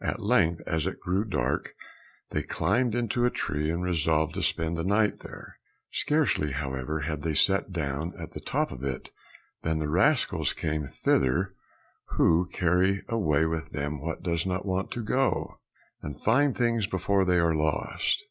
At length as it grew dark they climbed into a tree and resolved to spend the night there. Scarcely, however, had they sat down at the top of it than the rascals came thither who carry away with them what does not want to go, and find things before they are lost.